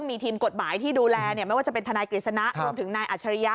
มีทีมกฎหมายที่ดูแลไม่ว่าจะเป็นทนายกฤษณะรวมถึงนายอัจฉริยะ